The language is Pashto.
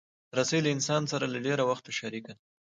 رسۍ له انسان سره له ډېر وخته شریکه ده.